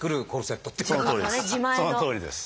そのとおりです。